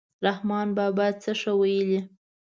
رحمان بابا څه ښه ویلي.